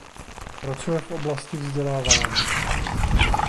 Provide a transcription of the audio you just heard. Pracuje v oblasti vzdělávání.